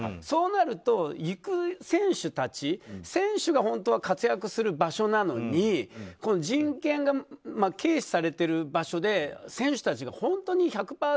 そうなると行く選手たち選手が本当は活躍する場所なのに人権が軽視されている場所で選手たちが本当に１００％